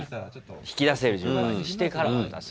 引き出せる順番にしてから渡す。